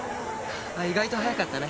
あっ意外と早かったね。